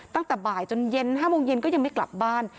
ตั้งแต่บ่ายจนเย็น๕โมงเย็นก็ยังไม่กลับบ้าน